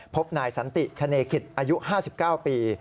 พบนายสันติคเนกิจอายุ๕๙ปี